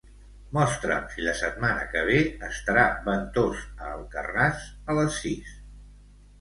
Mostra'm si la setmana que ve estarà ventós a Alcarràs a les sis.